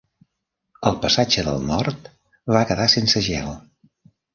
El passatge del nord va quedar sense gel.